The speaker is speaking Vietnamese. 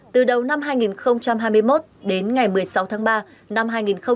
từ đầu năm hai nghìn hai mươi một đến ngày một mươi sáu tháng ba năm hai nghìn hai mươi